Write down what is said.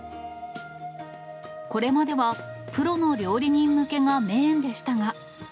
これまではプロの料理人向けがメインでしたが。